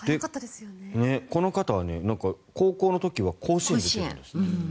この方は高校の時は甲子園に出てるんですって。